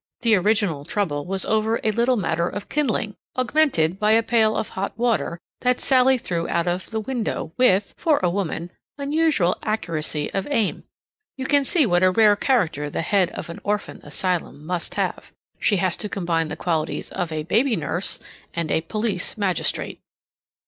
The original trouble was over a little matter of kindling, augmented by a pail of hot water that Sallie threw out of the window with, for a woman, unusual accuracy of aim. You can see what a rare character the head of an orphan asylum must have. She has to combine the qualities of a baby nurse and a police magistrate.